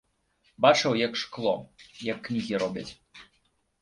Бачыў, як шкло, як кнігі робяць.